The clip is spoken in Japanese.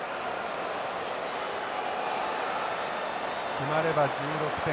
決まれば１６点。